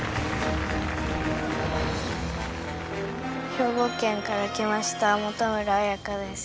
兵庫県から来ました本村彩歌です。